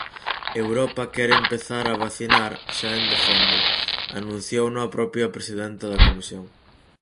Europa quere empezar a vacinar xa en decembro, Anunciouno a propia presidenta da comisión.